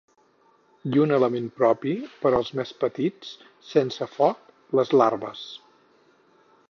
I un element propi, per als més petits, sense foc: les larves.